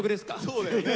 そうだよね。